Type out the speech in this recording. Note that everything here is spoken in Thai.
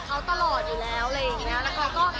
พ่อเขาคิดถึงลูกมากอยู่แล้วเขาก็หอมเขากอดเขาตลอดอยู่แล้ว